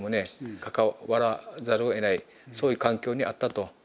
関わらざるをえないそういう環境にあったと。